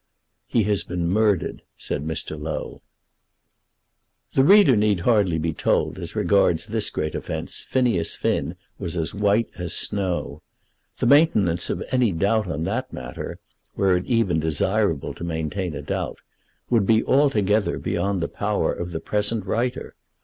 "He has been murdered," said Mr. Low. [Illustration: "He has been murdered," said Mr. Low.] The reader need hardly be told that, as regards this great offence, Phineas Finn was as white as snow. The maintenance of any doubt on that matter, were it even desirable to maintain a doubt, would be altogether beyond the power of the present writer.